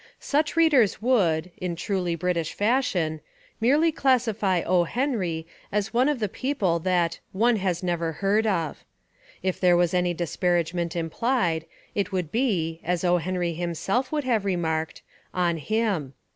Such readers would, in truly British fashion, merely classify O. Henry as one of the people that "one has never heard of." If there was any disparagement implied, it would be, as O. Henry himself would have remarked, "on him."